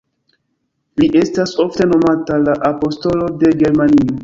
Li estas ofte nomata "la apostolo de Germanio".